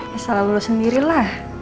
ya salah lo sendiri lah